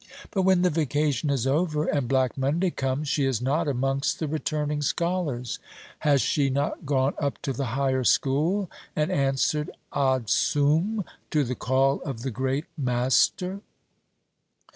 But when the vacation is over, and Black Monday comes, she is not amongst the returning scholars. Has she not gone up to the higher school, and answered Adsum to the call of the Great Master?